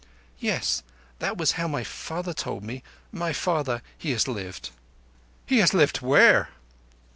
"Yess. That was how my father told me. My father, he has lived." "Has lived where?"